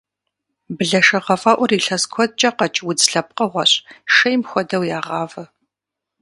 Блэшэгъэфӏэӏур илъэс куэдкӏэ къэкӏ удз лъэпкъыгъуэщ, шейм хуэдэу ягъавэ.